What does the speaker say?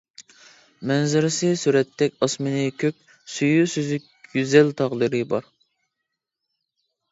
مەنزىرىسى سۈرەتتەك، ئاسمىنى كۆك، سۈيى سۈزۈك، گۈزەل تاغلىرى بار.